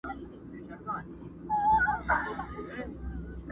غوجله دلته د بدويت شرم وېري او انساني سقوط يو ژور سمبول ګرځي.